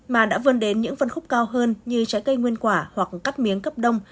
mà đã vươn đến những phân khúc cao hơn như trái cây nguyên quả hoặc cắt miếng cấp đông